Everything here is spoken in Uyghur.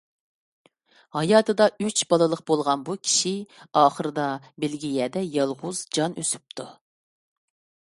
ھاياتىدا ئۈچ بالىلىق بولغان بۇ كىشى ئاخىرىدا بېلگىيەدە يالغۇز جان ئۈزۈپتۇ.